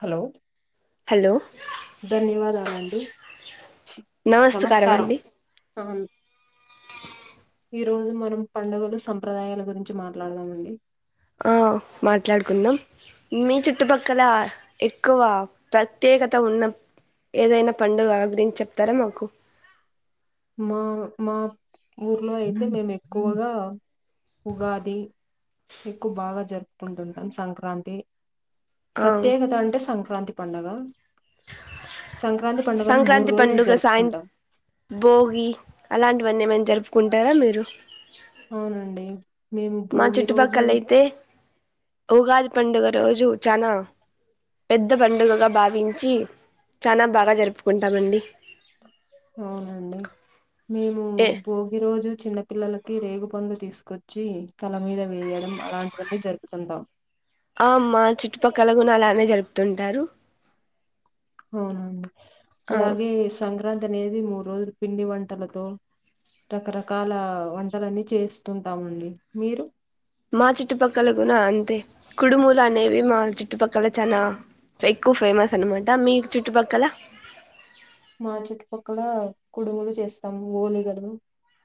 Hello hello ధన్యవాదాలండి నమస్కారం అ ఈ రోజు మనం పండుగలు సంప్రదాయాల గురించి మాట్లాడదామండి ఆ మాట్లాడుకుందాం మీ చుట్టుపక్కల ఎక్కువ ప్రత్యేకత ఉన్న ఏదైనా పండుగ గురించి చెప్తారా మాకు మా మా ఊర్లో అయితే మేము ఎక్కువగా ఉగాది ఎక్కువ బాగా జరుపుకుంటుంటాం సంక్రాంతి ఆ ప్రత్యేకత అంటే సంక్రాంతి పండగ సంక్రాంతి పండుగను మూడు సంక్రాంతి రోజులు జరుపుకుంటాం పోగి అలాంటివన్నీ ఏమైనా జరుపుకుంటారా మీరు అవునండి మేము మా భోగి రోజు చుట్టుపక్కల అయితే ఉగాది పండుగ రోజు చనా పెద్ద పండుగగా భావించి చానా బాగా జరుపుకుంటామండి అవునండి మేము ఏ భోగి రోజు చిన్న పిల్లలకి రేగుపండ్లు తీసుకొచ్చి తల మీద వేయడం అలాంటివన్నీ జరుపుతుంటాం ఆ అమ్మా చుట్టుపక్కల కూడా అలానే జరుపుతుంటారు అవునండి ఆ అలాగే సంక్రాంతి అనేది మూడు రోజులు పిండి వంటలతో రకరకాల వంటలన్నీ చేస్తుంటామండి మీరు మా చుట్టుపక్కల కూడా అంతే కుడుములు అనేవి మా చుట్టుపక్కల చనా ఎక్కువ ఫేమస్ అనమాట మీ చుట్టుపక్కల మా చుట్టుపక్కల కుడుములు చేస్తాము ఓలిగలు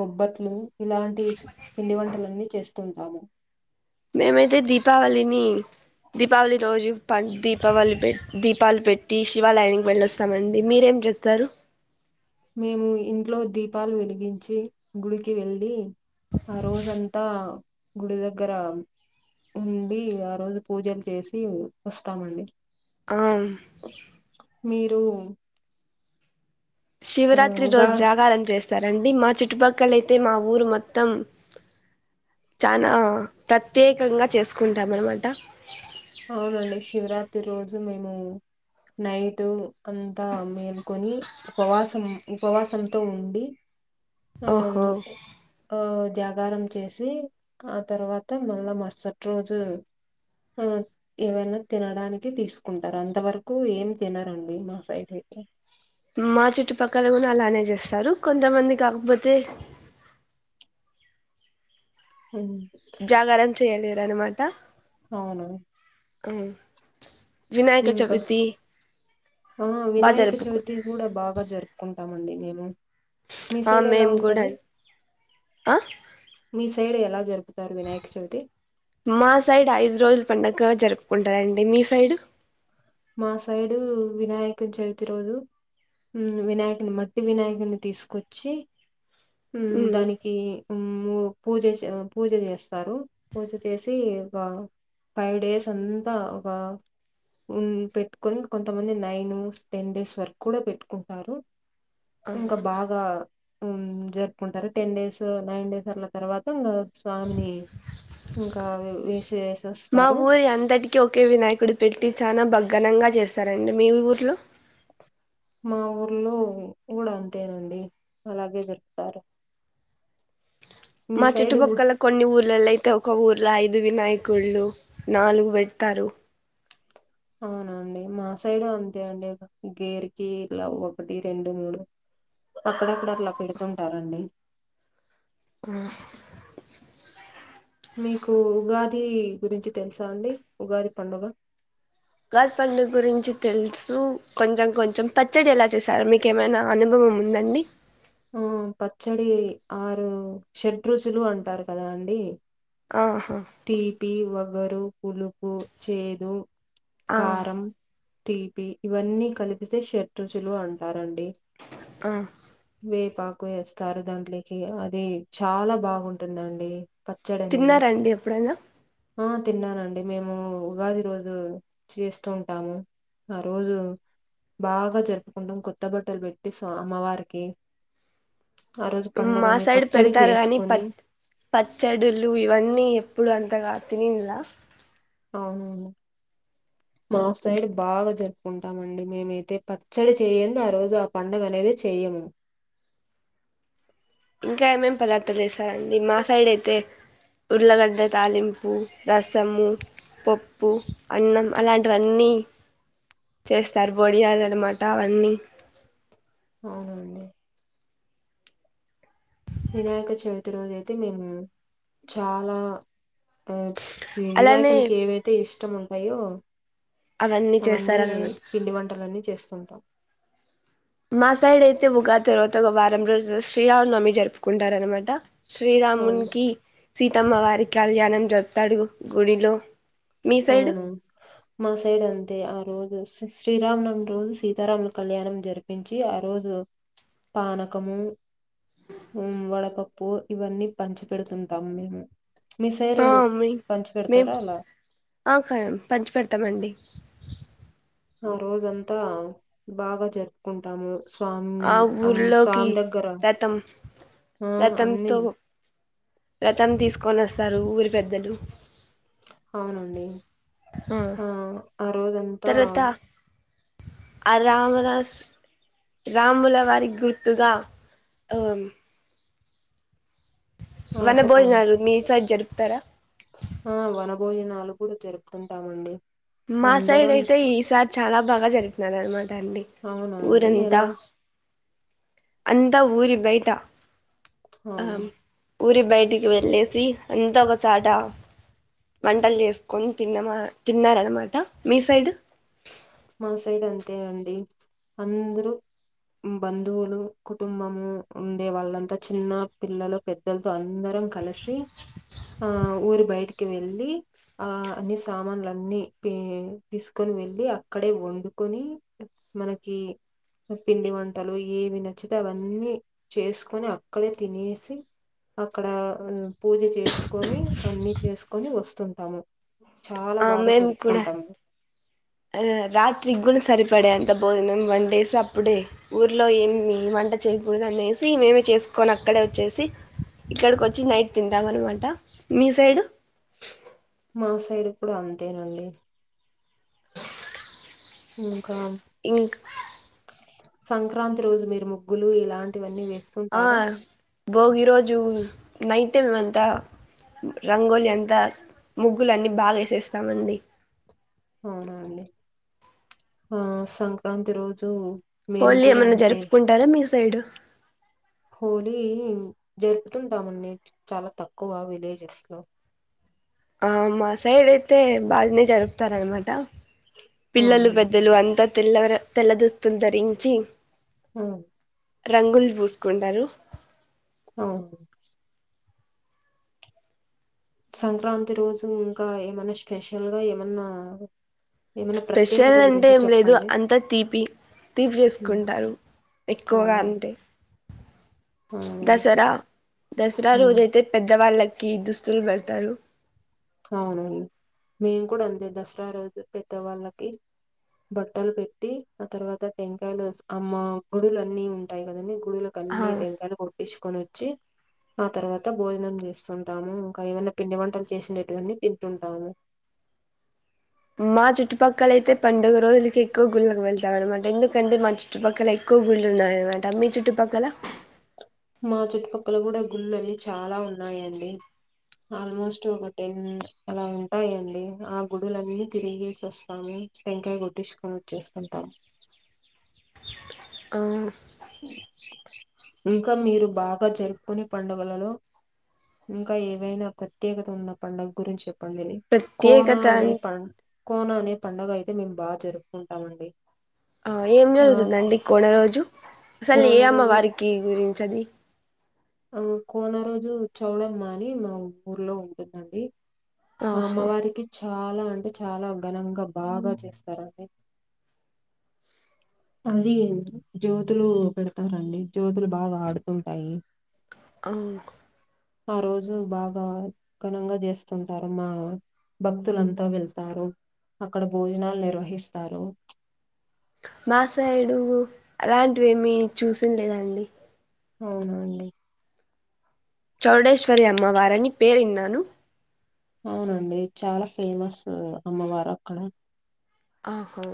బొబ్బట్లు ఇలాంటి పిండి వంటలన్నీ చేస్తుంటాము మేమైతే దీపావళిని దీపావళి రోజు పం దీపావళి దీపాలు పెట్టి శివాలయానికి వెళ్ళొస్తామండి మీరేం చెస్తారు మేము ఇంట్లో దీపాలు వెలిగించి గుడికి వెళ్లి ఆ రోజంతా గుడి దగ్గర ఉండి ఆరోజు పూజలు చేసి వస్తామండి ఆ మీరు ఆ శివరాత్రి ఉగా రోజు జాగారం చేస్ సరేండి మా చుట్టుపక్కల అయితే మా ఊరు మొత్తం చనా ప్రత్యేకంగా చేసుకుంటాం అనమాట అవునండి శివరాత్రి రోజు మేము నైటు అంతా మేల్కొని ఉపవాసం ఉపవాసంతో ఉండి ఆ ఓహో ఆ జ జాగారం చేసి ఆ తర్వాత మళ్ళా మరుసటి రోజు ఆ ఏవనా తినడానికి తీసుకుంటారు అంతవరకు ఏమి తినరండి మా సైడ్ అయితే మా చుట్టుపక్కల కూడా అలానే చేస్తారు కొంతమంది కాకపోతే అ జాగరణ చేయలేరునమాట అవును అ ఇంకా ఆ బాగా వినాయక జరుపుకు చవితి కూడా బాగా జరుపుకుంటాము మీ ఆ సైడ్ ఎలా మేము కూడా ఉంటది ఆ మిస్ సైడ్ ఎలా జరుగు మా సైడ్ ఐదు రోజుల్ పండగ జరు ఉంటాయండి మీ సైడ్ మా సైడు వినాయక చవితిర వినాయకుని మట్టి వినాయకుని తీసుకొచ్చి ఉ ఉమ్ దానికి ఉ పూజ పూజ చేస్తారు పూజ చేసి ఫైవ్ డేస్ అంతా ఒక పెట్టుకొని కొంతమంది నైన్ టెన్ డేస్ వరకు కూడా పెట్టుకుంటారు అవును. ఇంకా బాగా జరుపుకుంటారు టెన్ డేస్ నైన్ డేస్ ల తర్వాత స్వామిని ఇంకా వే మా ఊరి అంతటికీ ఒకే వినాయకుడు పెట్టి చానా బగ్ ఘనంగా చేస్తారండి మీ ఊర్లో మా ఊర్లో కూడా అంతేనండి అలాగే దొరుకుతారు. మా చుట్టుపక్కల కొన్ని ఊరు పిల్లల అయితే ఒక ఊర్లో ఐదు వినాయకుళ్లు నాలుగు పెడతారు. అవునండి మా సైడు అంతే అండి గేరికి ఇలా ఒకటి రెండు మూడు అక్కడక్కడ అట్లా పెడుతుంటారండి. ఆ మీకు ఉగాది గురించి తెలుసా అండి ఉగాది పండుగ? ఉగాది పండుగ గురించి తెలుసు కొంచెం కొంచెం పచ్చడి ఎలా చేసారు మీక ఏమైనా అనుభవం వు ఉందండి ఆ పచ్చడి ఆరు షడ్రుచులు అంటారు కదా అండి. ఆహా తీపి, వగరు, పులుపు, చేదు, ఆ కారం తీపి ఇవన్నీ కలిపిస్తే షత్రుసుులు అంటారండి ఆ వే పాకు వేస్తారు దాంట్లోకి అది చాలా బాగుంటుందండి. పచ్చడి అనేది తిన్నారండి ఎప్పుడైనా? ఆ తిన్నానండి మేము ఉగాది రోజు చేస్తూ ఉంటాము. ఆరోజు? బాగా జరుపుకుంటాం కొత్త బట్టలు పెట్టి స అమ్మవారికి ఆ రోజు మా పండుగని సైడ్ పచ్చడి పెడతారు గాని ప చేసుకొని పచ్చడులు ఇవన్నీ ఇప్పుడు అంతగా తినిన్లా అవును మా సైడ్ బాగా జరుపుకుంటామ అండి మేమైతే పచ్చడి చేయందు ఆ రోజు ఆ పండుగ అనేది చేయము. అయి ఇంకా ఏమేం పదార్దలు చేసారండి మా సైడ్ అయితే ఉర్లగడ్డ తాలింపు, రసము పప్పు అన్నం అలాంటివన్నీ చేస్తారు బోడియాల అనమాట అవన్నీ అవునండి వినాయక చవితి రోజు అయితే మేము చాలా ఆ ఇ అలానే వినాయకునికి ఏవైతే ఇష్టం ఉంటాయో అవన్నీ పిండి వంటలన్నీ చేస్తుంటాం. మా సైడ్ అయితే ఉగాది తరువాత ఒక వారం రోజు శ్రీరామనవమి జరుపుకుంటారనమాట. అవును శ్రీరాముడినికి సీతమ్మ వారి కళ్యాణం జరుపుతాడు గుడిలో మీ సైడు అవును మా సైడ్ అంతే ఆ రోజు శ్రీ శ్రీరామనవమి రోజు సీతారాముల కళ్యాణం జరిపించి ఆ రోజు పానకము మ్ వడపప్పు ఇవన్నీ పంచి పెడుతుంటాము మేము. మీ ఆ సైరు మీ పంచి మేం పెడతారా అలా? ఆ ఖ పంచి పెడతామండి ఆ రోజంతా బాగా జరుపుకుంటాము. స్వామ్ ఆ అమ్ ఊర్లోకి స్వామి దగ్గర రథం ఆ అన్ని రతం తీసుకొనోస్తారు ఊరి పెద్దలు అవునండి ఆ ఆ రోజంతా తర్వాత ఆ రామరాస్ రాముల వారి గుర్తుగా ఆ ఆ వన చెప్పండి భోజనాలు మీ సైడ్ జరుపుతారా ఆ వన భోజనాలు కూడా జరుపుతుంటామండి మా సైడ్ అందరం అయితే ఈసారి చాలా బాగా జరిపనారన్నమాట అండి అవునా అండి ఊరంతా ఎలా అంతా ఊరి బయటా ఆ అవును ఊరి బయటికి వెళ్ళేసి అంతా ఒక సాట వంటలు చేసుకొని తిన్నమా తిన్నారనమాట మీ సైడ్ మా సైడ్ అంతే అండి అందరూ బంధువులు కుటుంబము ఉండే వాళ్ళంతా చిన్న పిల్లలు పెద్దలతో అందరం కలిసి ఆ ఊరి బయటికి వెళ్ళి ఆ అన్ని సామాన్లు అన్ని తీసుకు వెళ్ళి అక్కడే వండుకొని మనకి పిండి వంటలు ఏవి నచ్చితే అవన్నీ చేసుకొని అక్కడే తినేసి అక్కడ పూజ చేసుకొని అన్ని చేసుకొని వస్తుంటాం చాలా ఆ బాగా మేము కూడా జరుపుకుంటాం రాత్రికి గుడ సరిపడే అంత భోజనం వండేసి అప్పుడే ఊర్లో ఏమి వంట చే బునమేసి మేమె చేసుకొని అక్కడే వచ్చేసి ఇక్కడకి వచ్చి నైట్ తింటాం అనమాట మీ సైడ్ మా సైడ్ కూడా అంతేనండి ఇంకా ఇంక్ సంక్రాంతి రోజు మీరు ముగ్గులు ఇలాంటివన్నీ వే ఆ బోగి రోజు నైట్ అంతా రంగోలి అంతా ముగ్గులు అన్ని బాగా వేసేస్తామండి అవునండి ఆ సంక్రాంతి రోజు మేము హోలీ కూడా ఏమన్నా అంతే. జరుపుకుంటారా మీ సైడు హోలీ జరుపుతుంటామండి చాలా తక్కువ విలేజెస్ లో ఆ మా సైడ్ అయితే బానే జరుపుతార అనమాట అవును పిల్లలు పెద్దలు అంతా తెల్లర తెల్ల దుస్తులు ధరించి ఉ రంగులు పూసుకుంటారు అ సంక్రాంతి రోజు ఇంకా ఏమన్నా స్పెషల్ గా ఏమన్నా ఏమైనా స్పెషల్ ప్రత్యేకత అంటే గురించి ఏం లేదు చెప్పండి అంతా తీపి ఉమ్ తీపిచేసుకుంటారు ఎక్కువగా అవును అంటే అవును దసరా దసరా ఉమ్ రోజయితే పెద్దవాళ్ల కి దుస్తులు పెడతారు అవునండి మేము కూడా అంతే దసరా రోజు పెద్దవాళ్ళకి బట్టలు పెట్టి ఆ తర్వాత టెంకాయలు అమ్మ గుడులు అన్నీ ఉంటాయి కదండి గుళ్లకు ఆ అన్ని టెంకాయలు కొట్టించుకొని వచ్చి ఆ తర్వాత భోజనం చేస్తుంటాము ఇంకా ఏమనా పిండి వంటలు చేసి టివన్నీ తింటుంటాము మా చుట్టుపక్కల ఐతే పండుగ రోజులకి ఎక్కువ గుళ్ళకి వెళ్ నమాట ఎందుకంటే మా చుట్టుపక్కల ఎక్కువ గుళ్ళు ఉన్నాయనమాట మీ చుట్టుపక్కల మా చుట్టుపక్కల కూడా గుళ్లు అన్నీ చాలా ఉన్నాయండి ఆల్మోస్ట్ ఒక టెన్ అలా ఉంటాయండి ఆ గుడులన్నీ తిరిగేసివస్తాము టెంకాయ్ కొట్టిచ్చుకువచేస్తాంతర అవును ఇంకా మీరు బాగా జర్పుకునే పండగలలో ఇంకా ఏవైనా ప్రత్యేకత ఉన్నపడగూరుంచెప్ ప్పండి కోన ప్రత్యేకత అం అనే పం కోన అనే పండుగ అయితే మేము బా జరుపుకుంటామండి ఆ ఏం ఆ జరుగుతుందండి కొన రోజు అసాల్ ఏ కోన అమ్మ రోజు వారికి గురించి అది ఆ కోన రోజు చౌడమ్మాని మా ఊర్లో ఉంటుందండి ఆహా మమ్మవారికి చాలా అంటే చాలా ఘనంగా బాగా చేస్తారండీ అది జ్యోతులు పెడతారండి జ్యోతులు బాగా ఆడుతుంటాయి అంక్ ఆ రోజు బాగా గానంగా చేస్తుంటారుమ్మా భక్తులంతా వెళ్తారు అక్కడ భోజనాలు నిర్వహిస్తారు మా సైడు అలాంటివేమీ చుసిన్లేదండి అవునండి చౌడేశ్వరి అమ్మవారని పెరినాన్ను అవునండి చాలా ఫేమస్ అమ్మవారు అక్కడ ఆహో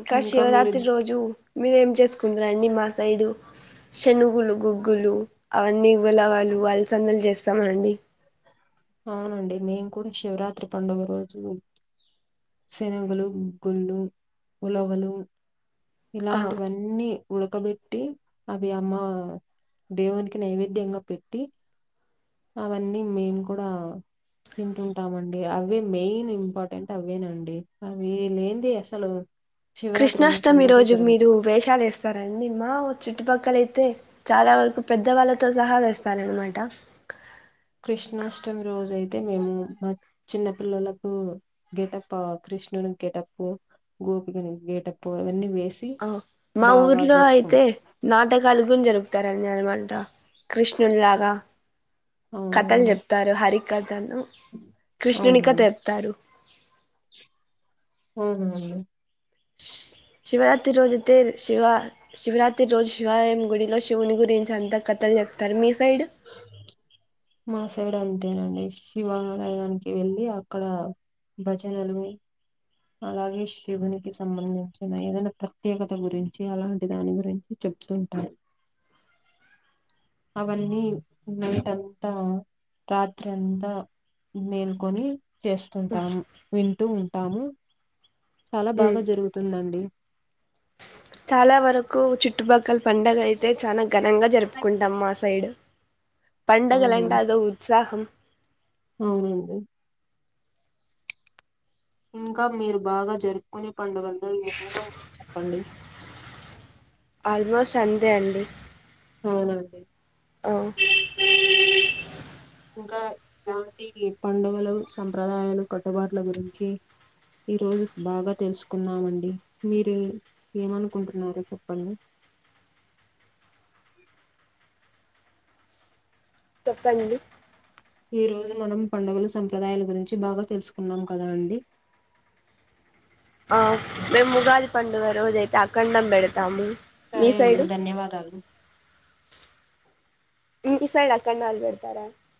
ఇంకా శివరాత్రి రోజు మీరేం చేసుకుంటారండి మా సైడు శనుగులు గుగ్గులు అవన్నీ ఉలవాలు వాళ్ళ సందలు చేస్తామండి అవునండి నేను కూడా శివరాత్రి పండుగ రోజు శనగులు గుగుళ్ళు ఉలవలు ఆ ఇలాంటివన్నీ ఉడకబెట్టి అవి అమ్మ దేవునిక్కీ నైవేద్యంగా పెట్టి అవన్నీ మేము కూడా తింటుంటామండి అవే మెయిన్ ఇంపార్టెంట్ అవేనండి అవి లేందే అసలు శివరాత్రి అనే కృష్ణాష్టమి పండగే రోజు జరగదు. మీరు వేషాలేస్తారండి నిన్న చుట్టుపక్కల అక్కడైతే చాలా వరకు పెద్దవాళ్ళతో సహా వేస్తారనమాట కృష్ణాష్టమి రోజు అయితే మేము మా చిన్న పిల్లలకు గెటప్ఆ కృష్ణుడి గేటప్పు గోపీకలు గేటప్పు అవన్నీ వే ఆ మా ఊర్లో అయితే నాటకాలుగు జరుపుతారండి అనమాట కృష్ణులాగా కథలు అవునండి. చెప్తారు హరి తను కృష్ణునికత అవునవును. చెప్తారు అవునండి శివరాత్రి రోజయితే శివ శివరాత్రి రోజు శివాలయం గుడిలో శివుని గురించి అంత కథ తలు చెప్తారు మీ సైడ్ మా అంతేనండి శివాలయానికి వెళ్ళి అక్కడ భజనలు అలాగే శివునికి సంబంధించిన ఏదైనా ప్రత్యేకత గురించి అలాంటి దాని గురించి చె ఇట్లుంటై అవన్నీ నైట్ అంతా రాత్రి అంతా మేల్కొని చేస్తుంటాము వింటూ ఉంటాము చాలా బాగా జరుగుతుందండి చాలా వరకు చుట్టుపక్కల పండగైతే చాల ఘనంగా జరుపుకుంటాం మా సైడ్ పండగలంటే అదో ఉత్సాహం అవును ఇంకా మీరు బాగా జరుపుకునే పండుగల్లో ఏమైనా ఉంది చెప్పండి ఆల్మోస్ట్ అంతే అండి అవున అ ఇంకా ఇలాంటి పండుగలు సంప్రదాయాలు కట్టుబాట్ల గురించి ఈ రోజు బాగా తెలుసుకున్నామండి మీరు ఏమనుకుంటున్నారు చెప్పండి చెప్పండి ఈ రోజు మనం పండుగలు సంప్రదాయాల గురించి బాగా తెలుసుకున్నాం కదా అండి ఆ మేము ఉగాది పండుగ రోజ అయితే అఖండం పెడతాము మీ సరే అండి సైడు ధన్యవాదాలు ఈసైడ్ ఆఖండాలు పెడతారా